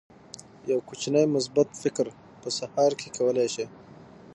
یو کوچنی مثبت فکر په سهار کې کولی شي.